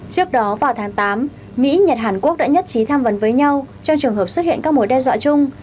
trước đó vào tháng tám mỹ nhật hàn quốc đã nhất trí tham vấn với nhau trong trường hợp xuất hiện các mối đe dọa chung